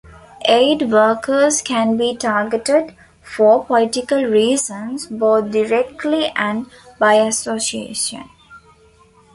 Aid workers can be targeted for political reasons both directly and by association.